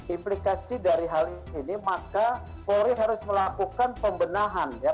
implikasi dari hal ini maka polri harus melakukan pembenahan ya